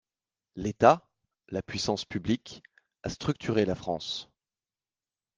L’État – la puissance publique – a structuré la France.